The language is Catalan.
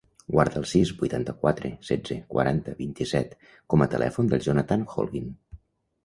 Guarda el sis, vuitanta-quatre, setze, quaranta, vint-i-set com a telèfon del Jonathan Holguin.